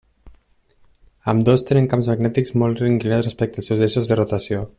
Ambdós tenen camps magnètics molt inclinats respecte als seus eixos de rotació.